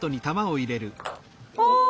お！